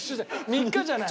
３日じゃない。